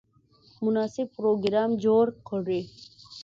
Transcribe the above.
مناسب پروګرام جوړ کړي.